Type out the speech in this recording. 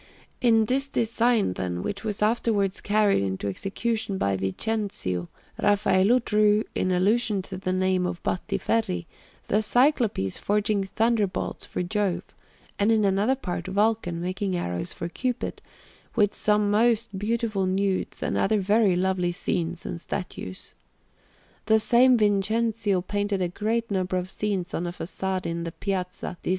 In this design, then, which was afterwards carried into execution by Vincenzio, Raffaello drew, in allusion to the name of the Battiferri, the Cyclopes forging thunderbolts for Jove, and in another part Vulcan making arrows for Cupid, with some most beautiful nudes and other very lovely scenes and statues. The same Vincenzio painted a great number of scenes on a façade in the Piazza di S.